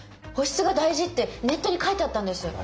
「保湿が大事」ってネットに書いてあったんです。